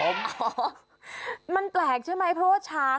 เออของผมเออมันแปลกใช่ไหมเพราะว่าช้าง